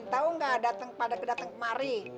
tahu gak datang pada kedatang kemari